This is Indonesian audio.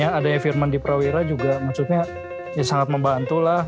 ya adanya firman di prawira juga maksudnya ya sangat membantu lah